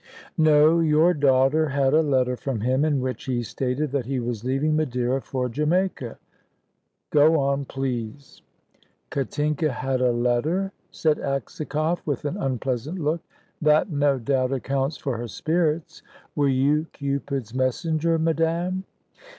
"No; your daughter had a letter from him, in which he stated that he was leaving Madeira for Jamaica. Go on, please." "Katinka had a letter?" said Aksakoff, with an unpleasant look. "That, no doubt, accounts for her spirits. Were you Cupid's messenger, madame?"